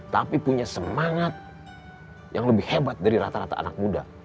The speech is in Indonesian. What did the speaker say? tapi punya semangat yang lebih hebat dari rata rata anak muda